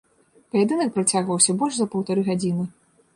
Паядынак працягваўся больш за паўтары гадзіны.